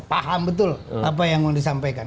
paham betul apa yang mau disampaikan